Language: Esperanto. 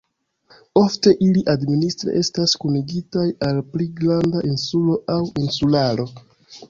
Ofte ili administre estas kunigitaj al pli granda insulo aŭ insularo.